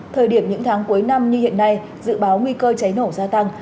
thời điểm những tháng cuối năm như hiện nay dự báo nguy cơ cháy nổ gia tăng